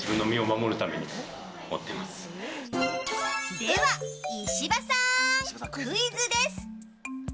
では、石破さんクイズです。